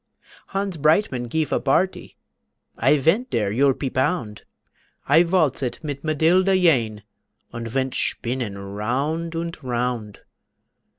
Hans Breitmann gife a barty, I vent dere you'll pe pound. I valtzet mit Madilda Yane Und vent shpinnen round und round.